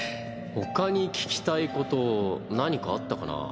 ほかに聞きたいこと何かあったかな。